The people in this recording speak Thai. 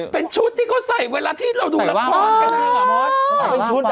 เป็นชุดที่เขาใส่เวลาที่เราดูละคร